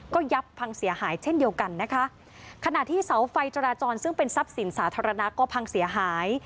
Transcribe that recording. ก็ยับพังเสียหายเช่นเดียวกันนะคะขณะที่เสาไฟจราจรซึ่งเป็นทรัพย์สินสาธารณะก็พังเสียหาย